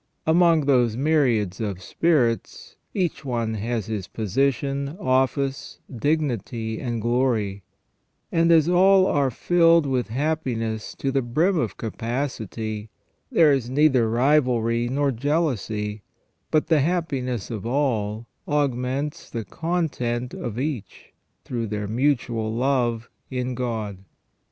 Among those myriads of spirits each one has his position, office, dignity, and glory; and as all are filled with happiness to the brim of capacity, there is neither rivalry nor jealousy, but the happiness of all augments the content of each through their mutual love in God.